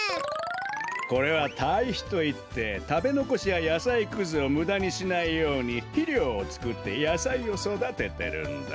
これは「たいひ」といってたべのこしややさいくずをむだにしないようにひりょうをつくってやさいをそだててるんだ。